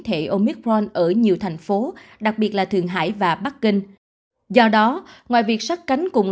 thể omicron ở nhiều thành phố đặc biệt là thường hải và bắc kinh do đó ngoài việc sát cánh cùng